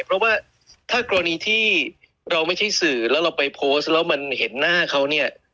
เพราะว่าถ้ากรณีที่เราไม่ใช่สื่อแล้วเราไปโพสต์แล้วมันเห็นหน้าเขาเนี่ย